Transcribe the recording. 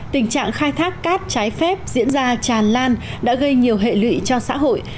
tình trạng khai thác cát trái phép diễn ra tràn lan đã gây nhiều hệ lụy cho xã hội